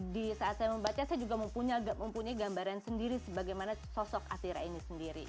di saat saya membaca saya juga mempunyai gambaran sendiri sebagaimana sosok atira ini sendiri